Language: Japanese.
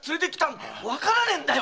わからねえんだよ！